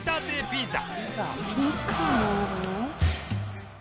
ピザ。